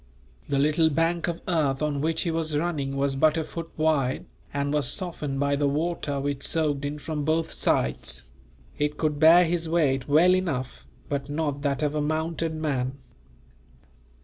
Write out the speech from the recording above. The little bank of earth on which he was running was but a foot wide, and was softened by the water which soaked in from both sides. It could bear his weight, well enough; but not that of a mounted man.